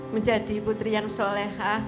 menjadi putri yang solehah